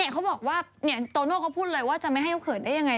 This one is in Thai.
เขาบอกว่าโตโน่เขาพูดเลยว่าจะไม่ให้เขาเขินได้ยังไง